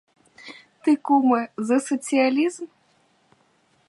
Ти, куме, за соціалізм?